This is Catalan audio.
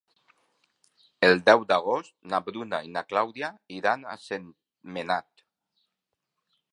El deu d'agost na Bruna i na Clàudia iran a Sentmenat.